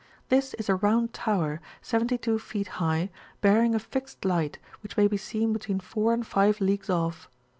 This is a round tower, 72 feet high, bearing a fixed light, which may be seen between 4 and 5 leagues off.